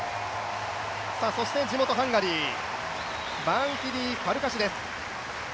そして、地元ハンガリー、バーンヒディファルカシュです。